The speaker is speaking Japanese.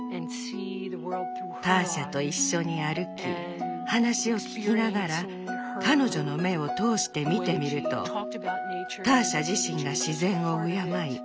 ターシャと一緒に歩き話を聞きながら彼女の目を通して見てみるとターシャ自身が自然を敬い